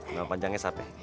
nama panjangnya siapa